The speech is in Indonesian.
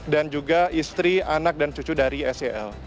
dan juga istri anak dan cucu dari sel